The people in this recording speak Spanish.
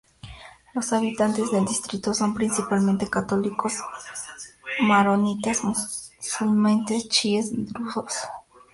Los habitantes del distrito son principalmente católicos maronitas, musulmanes chiíes y drusos.